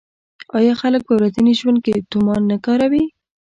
آیا خلک په ورځني ژوند کې تومان نه کاروي؟